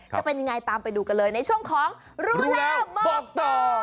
จะเป็นยังไงตามไปดูกันเลยในช่วงของรู้แล้วบอกต่อ